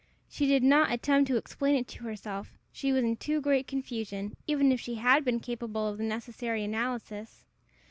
She did not attempt to explain it to herself; she was in too great confusion, even if she had been capable of the necessary analysis.